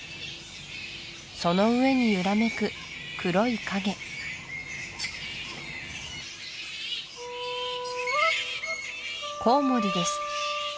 その上に揺らめく黒い影コウモリです